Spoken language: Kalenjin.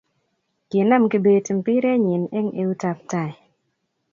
Kinam kibet mpirenyi eng eutab tai